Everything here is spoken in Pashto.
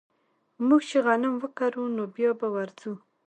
موږ چې غنم وکرو نو بيا به ورځو